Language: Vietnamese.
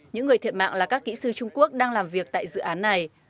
những người thiệt mạng là các kỹ sư trung quốc đang làm việc tại dự án này